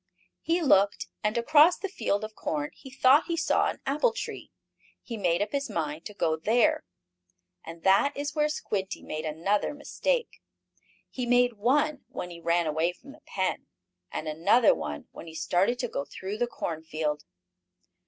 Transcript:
He looked and, across the field of corn, he thought he saw an apple tree. He made up his mind to go there. And that is where Squinty made another mistake. He made one when he ran away from the pen, and another one when he started to go through the corn field.